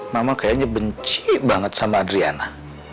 mama kayaknya benci banget sama adriana